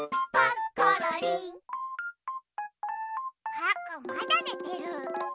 パックンまだねてる。